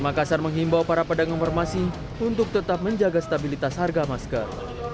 makassar menghimbau para pedagang farmasi untuk tetap menjaga stabilitas harga masker